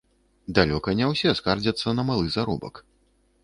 Далёка не ўсе скардзяцца на малы заробак.